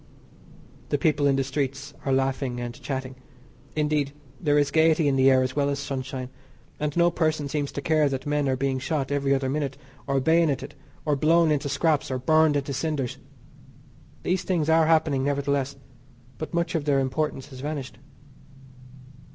The people in the streets are laughing and chatting. Indeed, there is gaiety in the air as well as sunshine, and no person seems to care that men are being shot every other minute, or bayoneted, or blown into scraps or burned into cinders. These things are happening, nevertheless, but much of their importance has vanished.